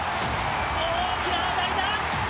大きな当たりだ！